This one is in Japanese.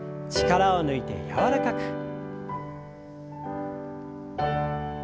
力を抜いて柔らかく。